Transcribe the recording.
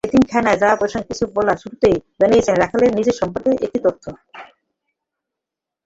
এতিমখানায় যাওয়া প্রসঙ্গে কিছু বলার শুরুতেই জানিয়ে রাখলেন নিজের সম্পর্কে একটি তথ্য।